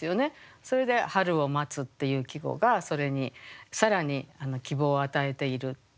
それで「春を待つ」っていう季語がそれに更に希望を与えているっていう。